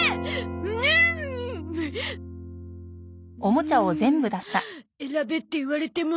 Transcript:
うーん選べって言われても。